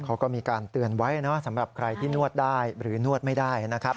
เขาก็มีการเตือนไว้นะสำหรับใครที่นวดได้หรือนวดไม่ได้นะครับ